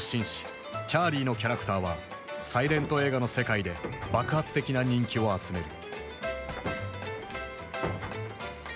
チャーリーのキャラクターはサイレント映画の世界で爆発的な人気を集める。